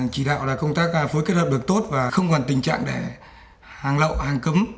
chỉ đạo là công tác phối kết hợp được tốt và không còn tình trạng để hàng lậu hàng cấm